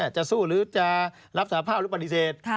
จะสู้หรือจะรับสาภาพหรือปฏิเสธ